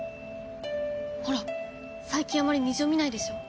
ほら最近あまり虹を見ないでしょう？